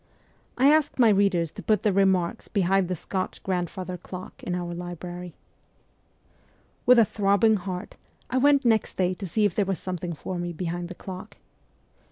I asked my readers to put their remarks behind the Scotch grandfather clock in our library. THE CORPS OF PAGES 149 With a throbbing heart, I went next day to see if there was something for me behind the clock.